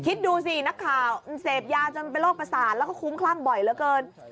คิดดูสินักข่าวมันเสพยาจนเป็นโรคประสาทแล้วก็คุ้มคลั่งบ่อยเหลือเกิน